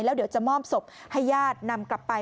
แล้วเดี๋ยวจะมอบศพให้ญาตินำกลับไป